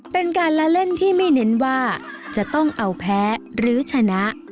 เป็นการละเล่นที่ไม่เน้นว่าจะต้องเอาแพ้หรือชนะ